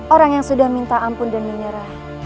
orang yang sudah minta ampun dan menyerah